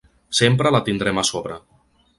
Sempre la tindrem a sobre.